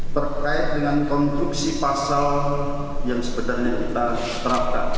terkait dengan konstruksi pasal yang sebenarnya kita terapkan